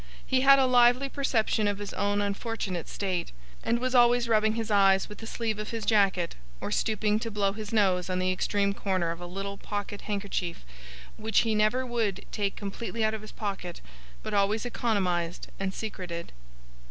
He had a lively perception of his own unfortunate state, and was always rubbing his eyes with the sleeve of his jacket, or stooping to blow his nose on the extreme corner of a little pocket handkerchief, which he never would take completely out of his pocket, but always economized and secreted.